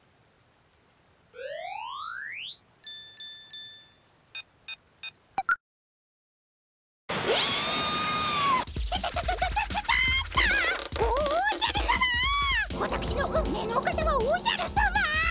わたくしの運命のお方はおじゃるさま！